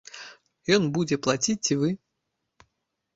Ён будзе плаціць ці вы?